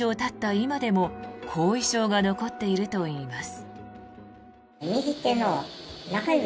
今でも後遺症が残っているといいます。